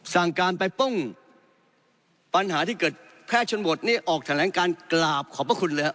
สั่งการไปป้องปัญหาที่เกิดแพทย์ชนบทนี่ออกแถลงการกราบขอบพระคุณเลยครับ